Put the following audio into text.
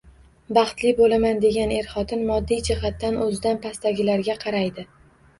Baxtli bo‘laman, degan er-xotin moddiy jihatdan o‘zidan pastdagilarga qaraydi.